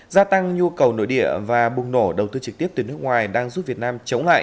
gia tăng nhu cầu nội địa và bùng nổ đầu tư trực tiếp từ nước ngoài đang giúp việt nam chống lại